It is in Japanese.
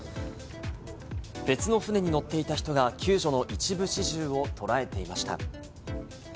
別の船に乗っていた人が救助の一部始終を捉えていました。